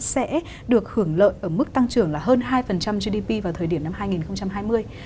sẽ được hưởng lợi ở mức tăng trưởng là hơn hai gdp vào thời điểm năm hai nghìn hai mươi